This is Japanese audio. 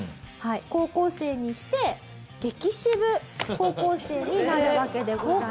高校生にして激シブ高校生になるわけでございます。